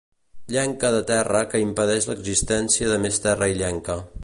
Llenca de terra que impedeix l'existència de més terra illenca.